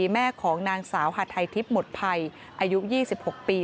แม่ของนางสาวหัดไทยทิพย์หมดภัยอายุ๒๖ปี